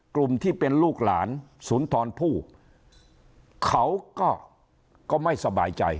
กลุ่มที่เป็นลูกหลานสุนทรผู้เขาก็ไม่สบายใจ